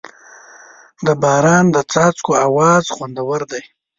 د باران د څاڅکو اواز خوندور دی.